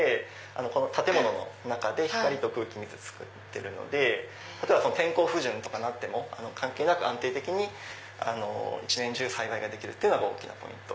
この建物の中で光と空気水つくってるので天候不順とかになっても関係なく安定的に一年中栽培できるのがポイント。